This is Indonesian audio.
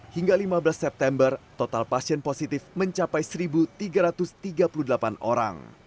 hingga lima belas september total pasien positif mencapai satu tiga ratus tiga puluh delapan orang